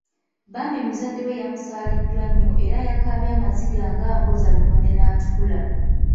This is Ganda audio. Bambi muzadde we yamusaaliddwa nnyo era yakaabye amaziga nga gooza lumonde n’atukula.